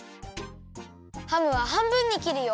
ハムははんぶんにきるよ。